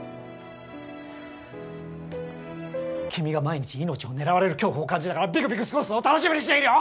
君が毎日命を狙われる恐怖を感じながらビクビク過ごすのを楽しみにしているよ！